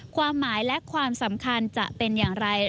ความหมายและความสำคัญจะเป็นอย่างไร